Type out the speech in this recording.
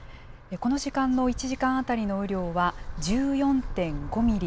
この時間の１時間当たりの雨量は、１４．５ミリ。